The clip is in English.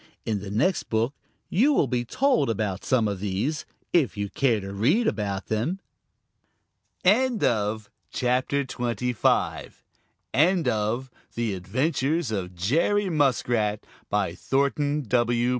In the next book you will be told about some of these, if you care to read about them. End of the Project Gutenberg EBook of The Adventures of Jerry Muskrat, by Thornton W.